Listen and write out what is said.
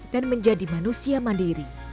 dan menjadi manusia mandiri